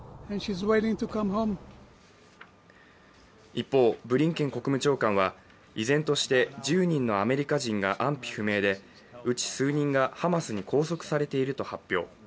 一方、ブリンケン国務長官は、依然として１０人のアメリカ人が安否不明でうち数人がハマスに拘束されていると発表。